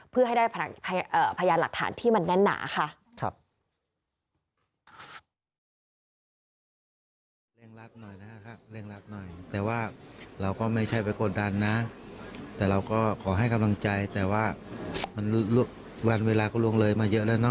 เพื่อให้ได้พยานหลักฐานที่มันแน่นหนาค่ะ